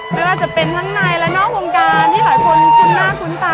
แล้วจะเป็นทั้งในมือและนอกวงการที่หลายคนจึงรู้ค่ะ